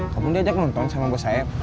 kamu diajak nonton sama bos saya